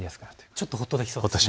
ちょっとほっとできそうですね。